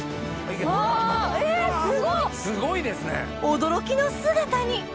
驚きの姿に！